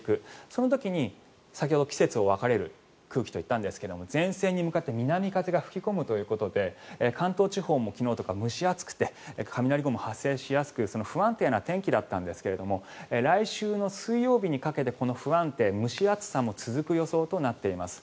その時に、先ほど季節を分ける空気といったんですが前線に向かって南風が吹き込むということで関東地方も、昨日とか蒸し暑くて雷雲が発生しやすく不安定な天気だったんですが来週の水曜日にかけてこの不安定、蒸し暑さも続く予想となっています。